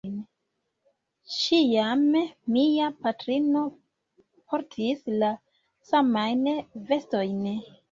Ĉiam mia patrino portis la samajn vestojn.